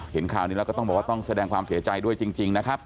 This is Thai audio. เห็นข่าวนี้แล้วก็ต้องบอกว่าต้องแสดงความเสียใจด้วยจริงนะครับ